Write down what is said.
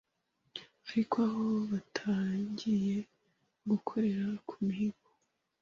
ariko aho batangiriye gukorera ku mihigo